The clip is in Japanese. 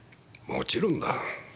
もちろんだ。